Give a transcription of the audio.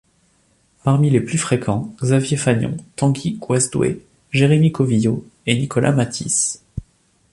Parmi les plus fréquents, Xavier Fagnon, Tanguy Goasdoué, Jérémie Covillault, et Nicolas Matthys.